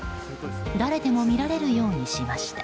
誰でも見られるようにしました。